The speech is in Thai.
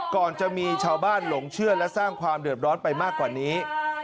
ก่อนจะมีชาวบ้านหลงเชื่อและสร้างความเดือดร้อนไปมากกว่านี้